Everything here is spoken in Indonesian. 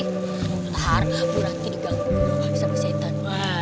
ntar bu ranti diganggu sama syetan